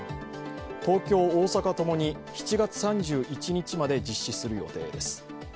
東京・大阪ともに７月３１日まで実施する予定です。